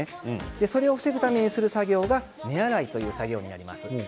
それを防ぐためにするのが根洗いという作業です。